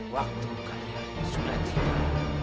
waktu kalian sudah tiba